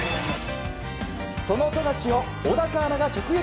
その富樫を小高アナが直撃。